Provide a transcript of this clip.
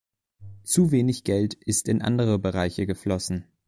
Zu wenig Geld ist in andere Bereiche geflossen.